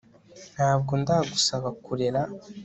Ntabwo ndagusaba kurera